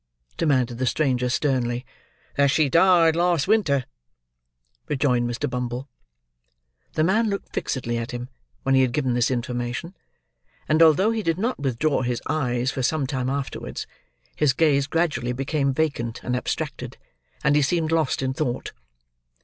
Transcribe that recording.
demanded the stranger, sternly. "That she died last winter," rejoined Mr. Bumble. The man looked fixedly at him when he had given this information, and although he did not withdraw his eyes for some time afterwards, his gaze gradually became vacant and abstracted, and he seemed lost in thought.